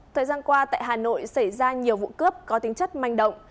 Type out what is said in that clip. thời gian qua tại hà nội xảy ra nhiều vụ cướp có tính chất manh động